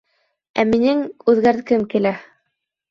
Ә минең үҙгәрткем килә.